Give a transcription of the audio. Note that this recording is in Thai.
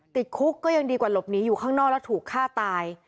ติดคุกก็ยังดีกว่าหลบหนีอยู่ข้างนอกแล้วถูกฆ่าตาย